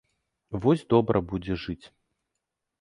Вось добра будзе жыць!